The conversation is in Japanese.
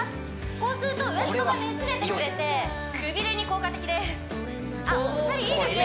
こうするとウエストがねじれてくれてくびれに効果的ですあっ２人いいですね